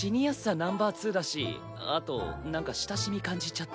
ナンバー２だしあとなんか親しみ感じちゃって。